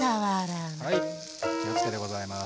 はい気を付けでございます。